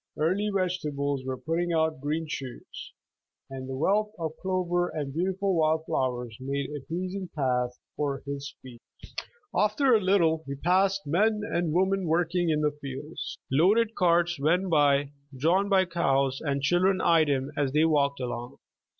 Early vegetables were putting out green shoots, and the wealth of clover and beautiful wild flowers made a pleasing path for his feet. After a lit tle he passed men and women working in the fields. Loaded carts went by drawn by cows, and children eyed him as they walked along.